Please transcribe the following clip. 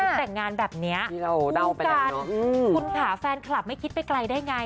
แต่งงานแบบนี้กันคุณค่ะแฟนคลับไม่คิดไปไกลได้ไง